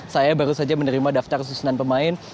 saya baru saja menerima daftar susunan pemain